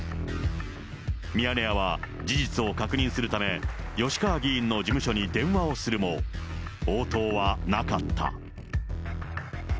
ミヤネ屋は、事実を確認するため、吉川議員の事務所に電話をするも、応答はなかった。